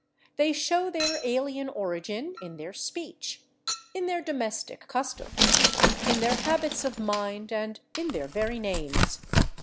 They show their alien origin in their speech, in their domestic customs, in their habits of mind, and in their very names.